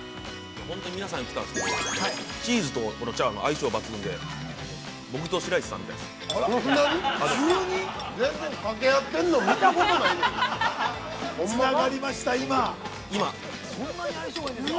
本当皆さん言ってたんですけれども、チーズとチャーハン相性抜群で僕と白石さんみたいです。